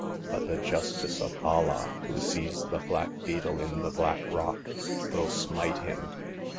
But the justice of Allah, who sees the black beetle in the black rock, will smite him.